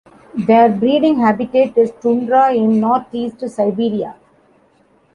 Their breeding habitat is tundra in northeast Siberia.